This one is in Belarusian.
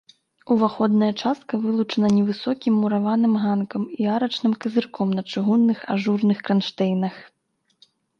Уваходная частка вылучана невысокім мураваным ганкам і арачным казырком на чыгунных ажурных кранштэйнах.